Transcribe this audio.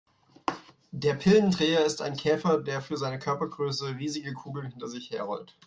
Der Pillendreher ist ein Käfer, der für seine Körpergröße riesige Kugeln hinter sich her rollt.